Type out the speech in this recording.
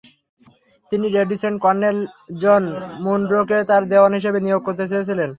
তিনি resident colonel John মুনরোকে তাঁর দেওয়ান হিসেবে নিয়োগ করতে চেয়েছিলেন।